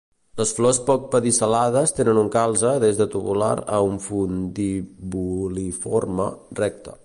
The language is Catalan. Les flors poc pedicel·lades tenen un calze des de tubular a infundibuliforme, recte.